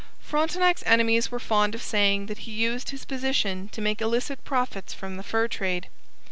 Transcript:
Frontenac's enemies were fond of saying that he used his position to make illicit profits from the fur trade.